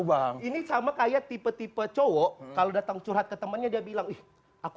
wah ini sama kayak tipe tipe cowok kalau datang curhat ke temennya dia bilang wih aku